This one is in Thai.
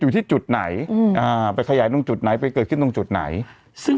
ที่จุดไหนไปขยายตรงจุดไหนไปเกิดขึ้นตรงจุดไหนซึ่ง